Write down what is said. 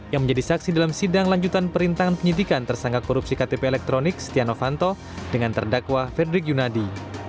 yang menjadi saksi dalam sidang lanjutan perintangan penyidikan tersangka korupsi ktp elektronik setia novanto dengan terdakwa fredrik yunadi